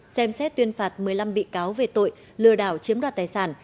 xem xét tuyên phạt một mươi năm bị cáo về tội lừa đảo chiếm đoạt tài sản